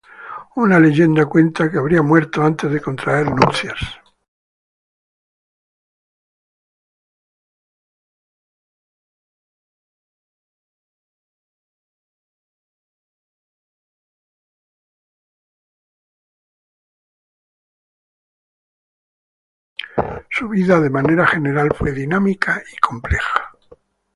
Su vida de manera general fue dinámica y compleja.